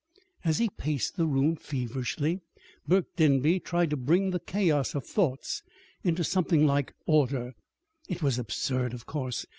As he paced the room feverishly, Burke Denby tried to bring the chaos of thoughts into something like order. It was absurd, of course.